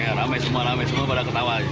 ya ramai semua ramai semua pada ketawa